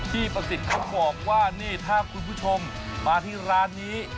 ประสิทธิ์เขาบอกว่านี่ถ้าคุณผู้ชมมาที่ร้านนี้